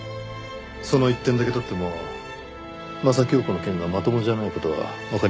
その一点だけ取っても柾庸子の件がまともじゃない事はわかりますよね。